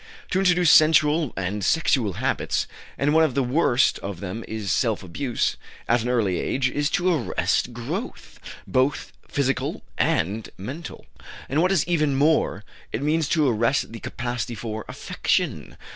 To introduce sensual and sexual habits and one of the worst of them is self abuse at an early age, is to arrest growth, both physical and mental. And what is even more, it means to arrest the capacity for affection.